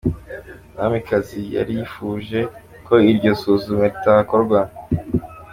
Umwamikazi yari yifuje ko iryo suzumwa ritakorwa.